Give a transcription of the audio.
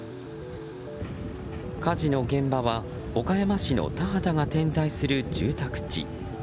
火事の現場は、岡山市の田畑が点在する住宅地。